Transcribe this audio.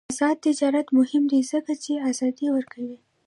آزاد تجارت مهم دی ځکه چې ازادي ورکوي.